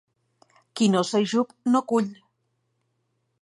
Qui no s'ajup, no cull.